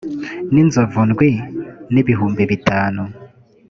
n inzovu ndwi n ibihumbi bitanu